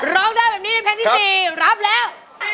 ร้องได้แบบนี้ในเพลงที่๔รับแล้ว